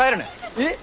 えっ！？